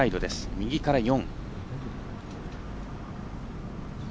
右から４。